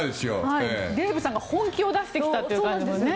デーブさんが本気を出してきたという感じもね。